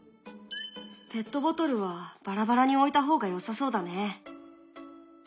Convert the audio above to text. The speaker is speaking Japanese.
ペットボトルはバラバラに置いた方がよさそうだね。